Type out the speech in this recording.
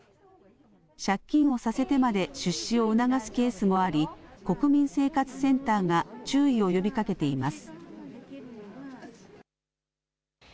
借金をさせてまで出資を促すケースもあり国民生活センターが注意を呼びかけています。